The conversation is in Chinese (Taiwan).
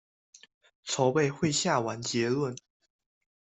籌備會下完結論